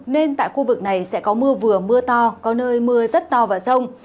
nên tại khu vực này sẽ có mưa vừa mưa to có nơi mưa rất to và rông